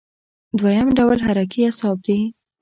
دویم ډول حرکي اعصاب دي.